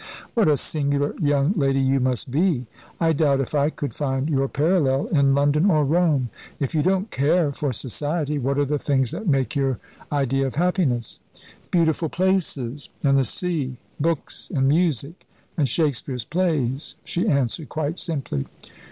"What a singular young lady you must be. I doubt if I could find your parallel in London or Rome. If you don't care for society, what are the things that make your idea of happiness?" "Beautiful places, and the sea, books and music, and Shakespeare's plays," she answered quite simply.